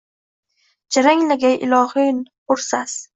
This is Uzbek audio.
Jaranglagay ilohiy hur sas!